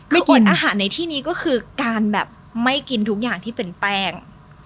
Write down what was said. กินอาหารในที่นี้ก็คือการแบบไม่กินทุกอย่างที่เป็นแป้ง